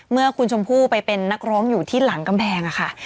เมื่อคุณชมพู่ไปเป็นนักร้องอยู่ที่หลังกำแพงค่ะ